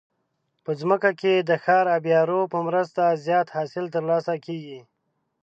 په ځمکه کې د ښه آبيارو په مرسته زیات حاصل ترلاسه کیږي.